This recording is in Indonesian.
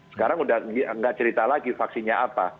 sekarang udah nggak cerita lagi vaksinnya apa